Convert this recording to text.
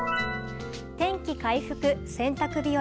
天気回復、洗濯日和。